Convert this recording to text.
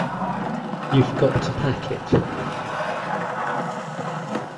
You forgot to pack it.